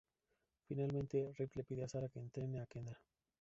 Finalmente, Rip le pide a Sara que entrene a Kendra.